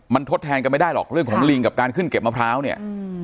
มันทดแทนกันไม่ได้หรอกเรื่องของลิงกับการขึ้นเก็บมะพร้าวเนี่ย